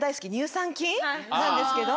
なんですけど。